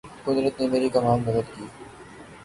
قدرت نے میری کمال مدد کی